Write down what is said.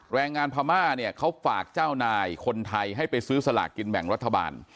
แรงงานพม่าเนี่ยเขาฝากเจ้านายคนไทยให้ไปซื้อสลากกินแบ่งรัฐบาล